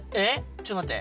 ちょっと待って。